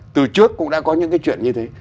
từ trước cũng đã có những cái chuyện như thế